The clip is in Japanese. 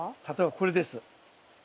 例えばこれです。